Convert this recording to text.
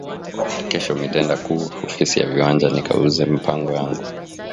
Kesho mitenda ku ofisi ya viwanja nika uze mpango yangu